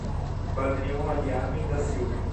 Badrion Eliamen da Silva